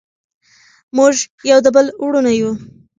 موږ یو د بل وروڼه یو.